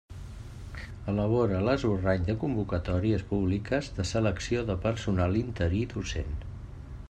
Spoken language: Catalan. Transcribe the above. Elabora l'esborrany de convocatòries públiques de selecció de personal interí docent.